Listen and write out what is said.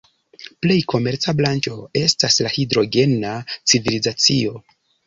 Plej komerca branĉo estas la hidrogena civilizacio.